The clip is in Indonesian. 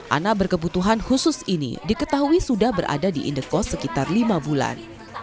anak berkebutuhan khusus ini diketahui sudah berada di indekos sekitar lima bulan